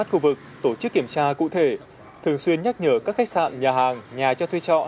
khu vực tổ chức kiểm tra cụ thể thường xuyên nhắc nhở các khách sạn nhà hàng nhà cho thuê trọ